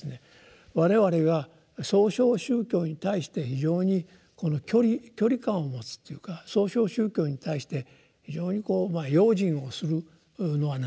我々が「創唱宗教」に対して非常に距離感を持つというか「創唱宗教」に対して非常にこう用心をするのはなぜなのかという。